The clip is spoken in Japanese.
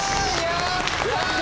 やった！